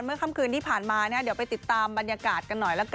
ค่ำคืนที่ผ่านมานะเดี๋ยวไปติดตามบรรยากาศกันหน่อยละกัน